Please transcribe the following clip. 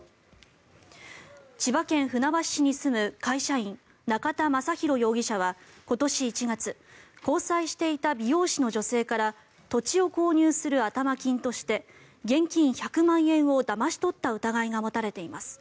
千葉県船橋市に住む会社員中田壮紘容疑者は今年１月交際していた美容師の女性から土地を購入する頭金として現金１００万円をだまし取った疑いが持たれています。